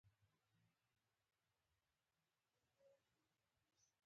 انا له پردیو نه بدېږي